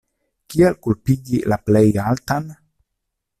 Kial kulpigi la Plejaltan?